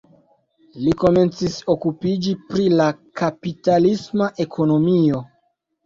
Li komencis okupiĝi pri la kapitalisma ekonomio.